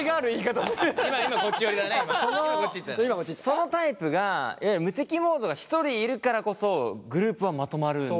そのタイプが無敵モードが１人いるからこそグループはまとまるんだよね。